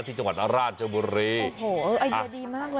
ที่จังหวัดราชบุรีโอ้โหไอเดียดีมากเลย